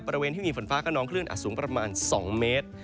บริเวณที่มีฝนฟ้ากระนองคลื่นอาจสูงประมาณ๒เมตร